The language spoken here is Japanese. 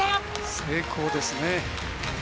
成功ですね。